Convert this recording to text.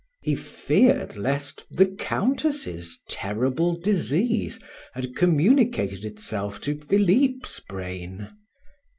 He feared lest the Countess' terrible disease had communicated itself to Philip's brain.